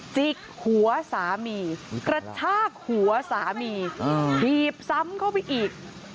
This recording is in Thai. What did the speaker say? จิกหัวสามีกระชากหัวสามีบีบซ้ำเข้าไปอีก